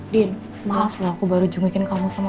din maaf loh aku baru jemukin kamu sama